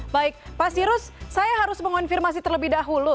baik pak sirus saya harus mengonfirmasi terlebih dahulu